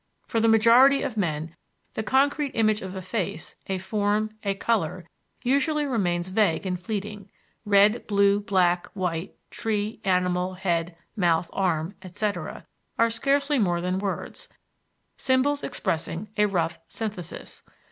For the majority of men the concrete image of a face, a form, a color, usually remains vague and fleeting; "red, blue, black, white, tree, animal, head, mouth, arm, etc., are scarcely more than words, symbols expressing a rough synthesis.